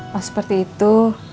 pas seperti itu